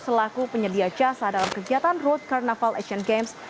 selaku penyedia jasa dalam kegiatan road carnival asean games